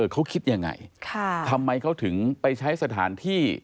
เขาคิดยังไงทำไมเขาถึงไปใช้สถานที่